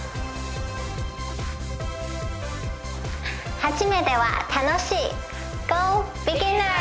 初めては楽しい。